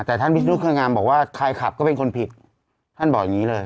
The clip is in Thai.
แต่ท่านวิศนุเครืองามบอกว่าใครขับก็เป็นคนผิดท่านบอกอย่างนี้เลย